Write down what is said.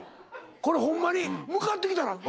これホンマに向かってきたの。